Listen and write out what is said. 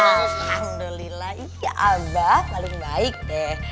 alhamdulillah ya abah malang baik deh